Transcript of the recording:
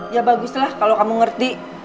ya baguslah kalau kamu ngerti